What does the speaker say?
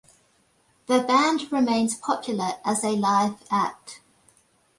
The band remains popular as a live act.